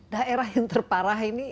daerah yang terparah ini